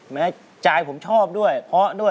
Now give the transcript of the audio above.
แม้จายผมชอบด้วยเพาะด้วย